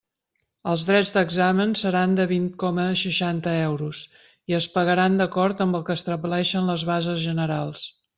Els drets d'examen seran de vint coma seixanta euros i es pagaran d'acord amb el que establixen les bases generals.